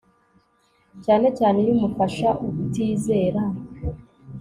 cyane cyane iyo umufasha utizera